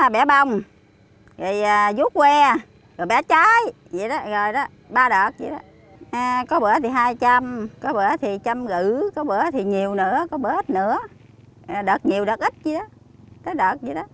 bẻ bông vút que bẻ trái ba đợt có bữa thì hai trăm có bữa thì trăm rưỡi có bữa thì nhiều nữa có bữa ít nữa đợt nhiều đợt ít vậy đó